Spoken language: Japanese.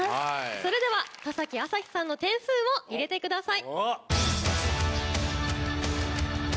それでは田あさひさんの点数を入れてください。